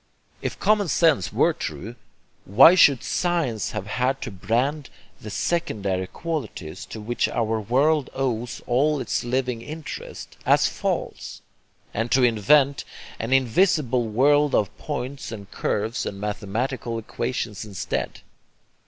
If common sense were true, why should science have had to brand the secondary qualities, to which our world owes all its living interest, as false, and to invent an invisible world of points and curves and mathematical equations instead?